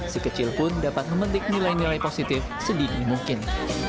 si kecil pun dapat memetik nilai nilai positif sedini mungkin